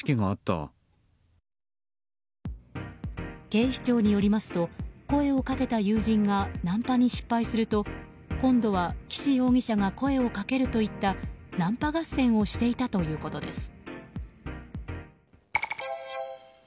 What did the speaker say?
警視庁によりますと声をかけた友人がナンパに失敗すると今度は岸容疑者が声をかけるといったナンパ合戦をしていたということです。